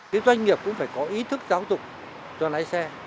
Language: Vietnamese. cái doanh nghiệp cũng phải có ý thức giáo dục cho lái xe